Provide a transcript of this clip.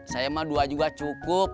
saya mah dua juga cukup